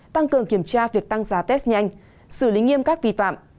tăng cường kiểm tra việc tăng giá test nhanh xử lý nghiêm các vi phạm